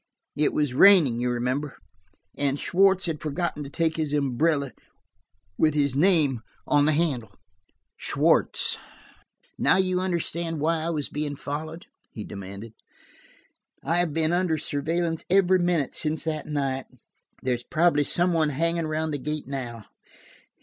It was raining, you remember, and Schwartz had forgotten to take his umbrella with his name on the handle!" "Schwartz!" "Now do you understand why I was being followed?" he demanded. "I have been under surveillance every minute since that night. There's probably some one hanging around the gate now.